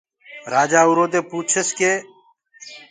رآجآ اُرو دي پوڇس ڪي